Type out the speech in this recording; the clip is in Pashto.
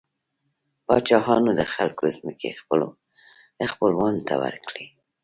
پاچاهانو د خلکو ځمکې خپلو خپلوانو ته ورکړې.